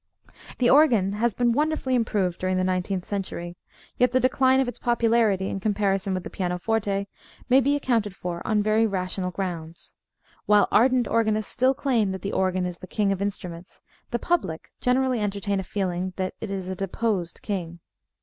The organ has been wonderfully improved during the nineteenth century. Yet the decline of its popularity in comparison with the pianoforte may be accounted for on very rational grounds. While ardent organists still claim that the organ is the "King of Instruments" the public generally entertain a feeling that it is a deposed king.